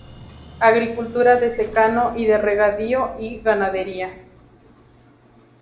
Agricultura de secano y de regadío y ganadería.